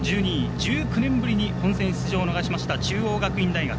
１９年ぶりに本戦出場を逃した中央学院大学。